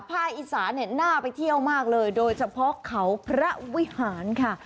อีสาเนี่ยน่าไปเที่ยวมากเลยโดยเฉพาะเขาพระวิหารค่ะ